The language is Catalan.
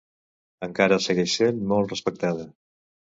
Encara segueix sent molt respectada.